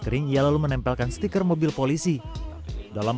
kering ia lalu menempelkan stiker mobil polisi dalam